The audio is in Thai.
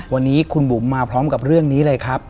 วันนี้คุณบุ๋มมาพร้อมกับเรื่องนี้เลยครับ